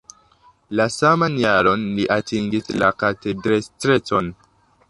La saman jaron li atingis la katedestrecon.